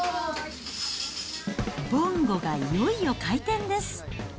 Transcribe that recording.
ぼんごがいよいよ開店です。